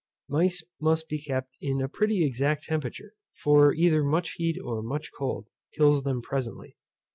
Mice must be kept in a pretty exact temperature, for either much heat or much cold kills them presently.